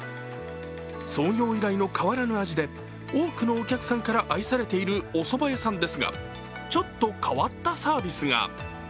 創業以来の変わらぬ味で多くのお客さんから愛されているおそば屋さんですが、ちょっと変わったサービスが。